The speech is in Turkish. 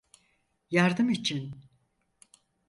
Yardım için.